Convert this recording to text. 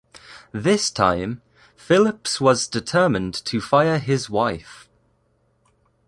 This time, Phillips was determined to fire his wife.